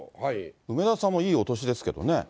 梅沢さんもいいお年ですけどね。